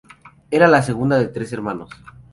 Era la segunda de tres hermanos.